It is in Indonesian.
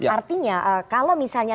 artinya kalau misalnya